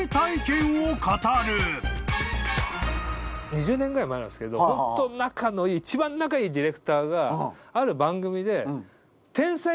２０年ぐらい前なんですけどホント仲のいい一番仲いいディレクターがある番組で。